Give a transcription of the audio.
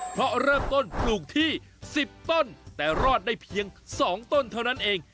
เพราะเริ่มต้นปลูกที่๑๐ต้นแต่รอดได้เพียง๒ต้นเท่านั้นเอง